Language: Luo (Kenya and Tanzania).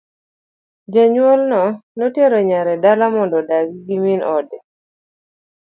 Janyuolno notero nyare dala mondo odag gi min ode.